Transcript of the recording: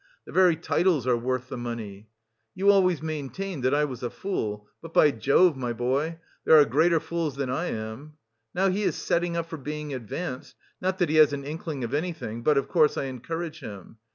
The very titles are worth the money! You always maintained that I was a fool, but by Jove, my boy, there are greater fools than I am! Now he is setting up for being advanced, not that he has an inkling of anything, but, of course, I encourage him.